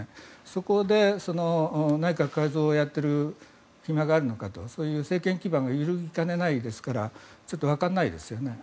そこで内閣改造をやっている暇があるのかとそういう政権基盤が揺るぎかねないですからちょっとわからないですよね。